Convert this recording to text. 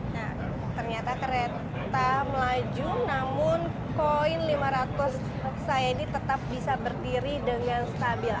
nah ternyata kereta melaju namun koin lima ratus saya ini tetap bisa berdiri dengan stabil